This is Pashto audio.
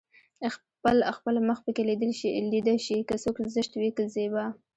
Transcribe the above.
خپل خپل مخ پکې ليده شي که څوک زشت وي که زيبا